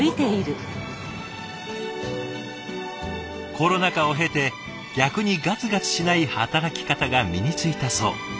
コロナ禍を経て逆にガツガツしない働き方が身についたそう。